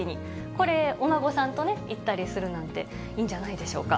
これ、お孫さんとね、行ったりするなんていいんじゃないでしょうか。